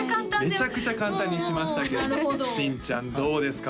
めちゃくちゃ簡単にしましたけどおなるほど新ちゃんどうですか？